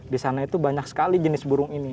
di sana itu banyak sekali jenis burung ini